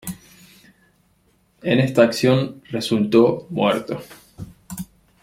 En esta acción resultó muerto.